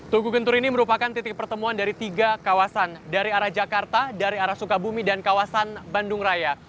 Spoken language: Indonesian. tugu gentur ini merupakan titik pertemuan dari tiga kawasan dari arah jakarta dari arah sukabumi dan kawasan bandung raya